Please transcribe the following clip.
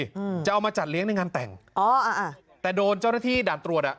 อืมจะเอามาจัดเลี้ยงในงานแต่งอ๋ออ่าแต่โดนเจ้าหน้าที่ด่านตรวจอ่ะ